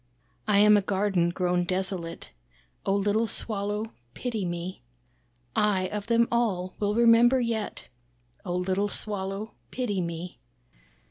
"I am a garden grown desolate, Oh little Swallow pity me. I of them all, will remember yet, Oh little Swallow pity me.